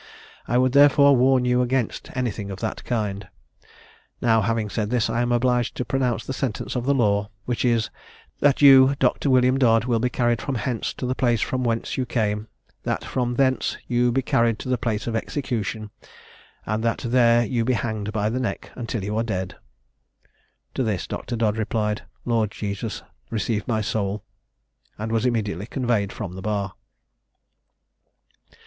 I would therefore warn you against anything of that kind. Now, having said this, I am obliged to pronounce the sentence of the law, which is That you, Doctor William Dodd, be carried from hence to the place from whence you came; that from thence you be carried to the place of execution, and that there you be hanged by the neck until you are dead." To this Dr. Dodd replied, "Lord Jesus, receive my soul!" and was immediately conveyed from the bar.